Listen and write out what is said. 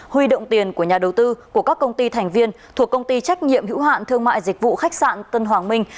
huy động tiền của nhà đầu tư của các công ty thành viên thuộc công ty trách nhiệm hữu hạn thương mại dịch vụ khách sạn tân hoàng minh